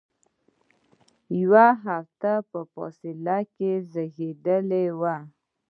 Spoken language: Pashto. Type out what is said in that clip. یوې هفتې په فاصله کې زیږیدلي ول.